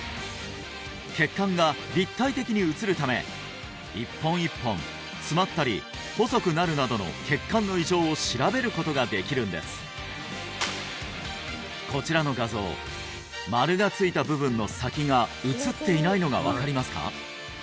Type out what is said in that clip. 血管が立体的に写るため一本一本詰まったり細くなるなどの血管の異常を調べることができるんですこちらの画像丸がついた部分の先が写っていないのが分かりますか？